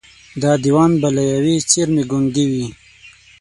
دا دېوان به له ېوې څېرمې ګونګي وي